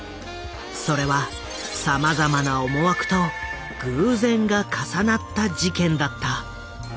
それはさまざまな思惑と偶然が重なった事件だった。